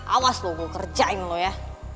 awas lo gue kerjain lo ya